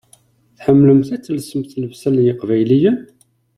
Tḥemmlemt ad telsemt llebsa n yeqbayliyen?